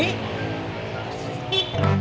ya balik aja